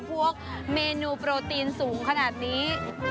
พวกเมนูโปรตีนสูงขนาดนี้